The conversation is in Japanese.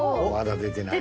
出てないね。